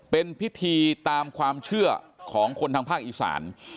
เป็นพิธีตามความเชื่อของคนทางภาคอีสาน